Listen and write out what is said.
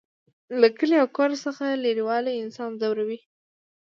له کلي او کور څخه لرېوالی انسان ځوروي